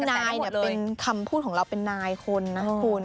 นายเป็นคำพูดของเราเป็นนายคนนะคุณ